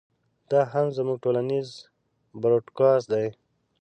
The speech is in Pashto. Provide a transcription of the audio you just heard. دا هم زموږ ټولنیز پراډوکس دی.